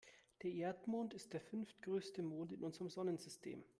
Der Erdmond ist der fünftgrößte Mond in unserem Sonnensystem.